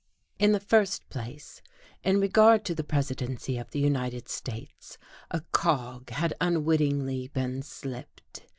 In the first place, in regard to the Presidency of the United States, a cog had unwittingly been slipped.